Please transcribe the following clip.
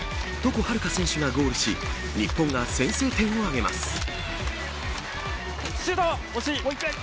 床泰留可選手がゴールし日本が先制点を挙げます。